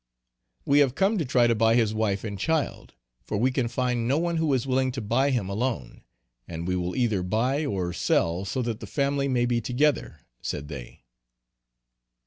"We have come to try to buy his wife and child; for we can find no one who is willing to buy him alone; and we will either buy or sell so that the family may be together," said they.